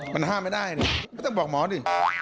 มันห้ามไม่ได้นี่ก็ต้องบอกหมอดิ